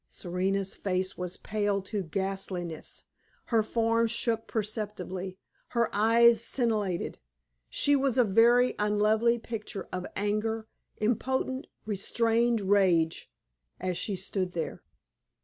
Serena's face was pale to ghastliness; her form shook perceptibly, her eyes scintillated. She was a very unlovely picture of anger impotent, restrained rage as she stood there.